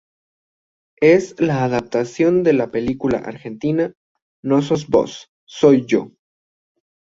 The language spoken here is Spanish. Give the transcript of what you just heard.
Es la adaptación de la película argentina "No sos vos, soy yo".